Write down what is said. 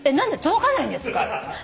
届かないんですか？